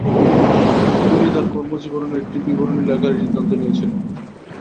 তিনি তার কর্মজীবনের একটি বিবরণী লেখার সিদ্ধান্ত নিয়েছিলেন।